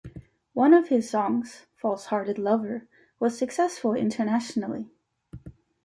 One of his songs, "False Hearted Lover", was successful internationally.